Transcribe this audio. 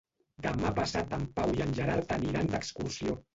Demà passat en Pau i en Gerard aniran d'excursió.